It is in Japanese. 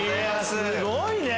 すごいね！